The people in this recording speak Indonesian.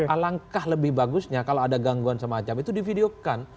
alangkah lebih bagusnya kalau ada gangguan semacam itu divideokan